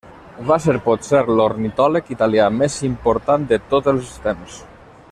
Va ser potser l'ornitòleg italià més important de tots els temps.